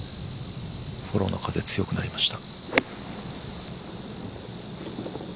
フォローの風強くなりました。